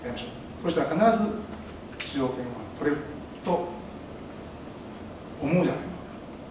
そしたら必ず出場権は取れると思うじゃない？